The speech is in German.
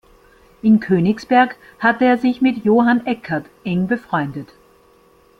In Königsberg hatte er sich mit Johann Eccard eng befreundet.